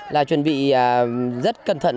là chuẩn bị rất cẩn thận